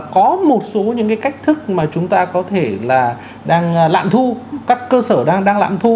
có một số cách thức mà chúng ta có thể lạm thu các cơ sở đang lạm thu